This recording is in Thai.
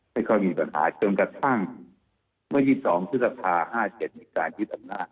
ไม่ค่อยมีปัญหาจนกระทั่งเมื่อ๒๒ศุษภา๕๗มีการคิดออกหน้า